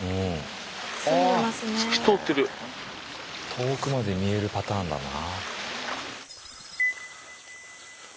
遠くまで見えるパターンだな。